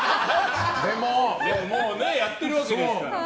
もうやってるわけですから。